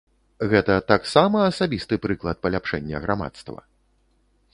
Гэта таксама асабісты прыклад паляпшэння грамадства?